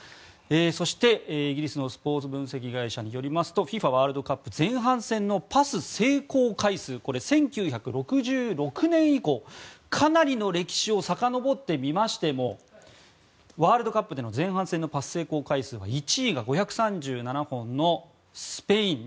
そして、イギリスのスポーツ分析会社によりますとＦＩＦＡワールドカップ前半戦のパス成功回数１９６６年以降、かなりの歴史をさかのぼって見ましてもワールドカップでの前半戦のパス成功回数が１位が５３７本のスペイン。